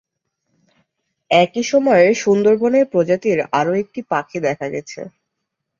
একই সময়ে সুন্দরবনে এ প্রজাতির আরও একটি পাখি দেখা গেছে।